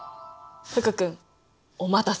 福君お待たせ。